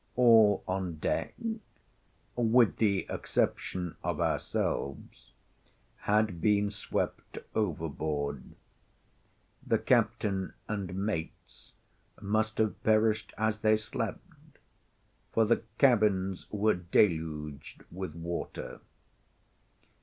All on deck, with the exception of ourselves, had been swept overboard;—the captain and mates must have perished as they slept, for the cabins were deluged with water.